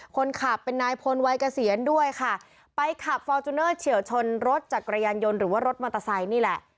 คนขับเป็นนายพลวัยเกษียณด้วยค่ะไปขับฟอร์จูเนอร์เฉียวชนรถจักรยานยนต์หรือว่ารถมอเตอร์ไซค์นี่แหละ